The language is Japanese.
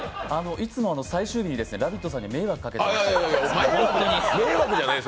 いつも最終日に「ラヴィット！」さんに迷惑をかけているので。